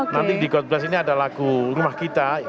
nanti di god bless ini ada lagu rumah kita